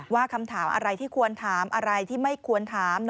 ว่าคำถามอะไรที่ควรถามอะไรที่ไม่ควรถาม